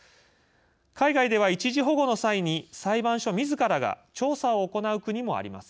海外では、一時保護の際に裁判所みずからが調査を行う国もあります。